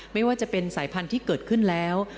ไม่ว่าจะเป็นสายพันธุ์ที่เกิดขึ้นแล้ว